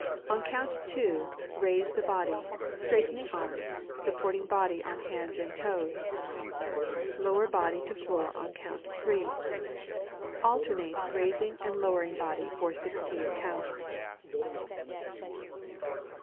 On count "two," raise the body, straightening arms, supporting body on hands and toes. Lower body to floor on count "three." Alternate raising and lowering body for sixteen counts.